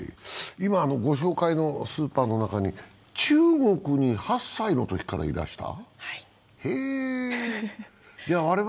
今、ご紹介のスーパーの中に中国に８歳のときからいらしたんですね。